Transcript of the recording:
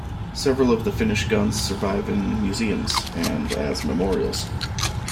Several of the Finnish guns survive in museums and as memorials.